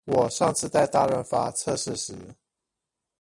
我上次在大潤發測試時